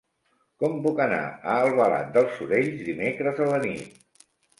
Com puc anar a Albalat dels Sorells dimecres a la nit?